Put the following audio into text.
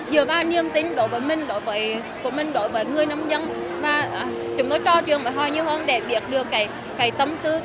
giữa ba niềm tin đối với mình đối với người nông dân chúng nó cho chuyện với họ nhiều hơn để biết được tâm tư